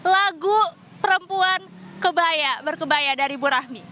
lagu perempuan kebaya berkebaya dari bu rahmi